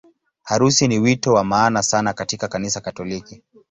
Harusi ni wito wa maana sana katika Kanisa Katoliki.